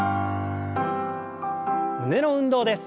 胸の運動です。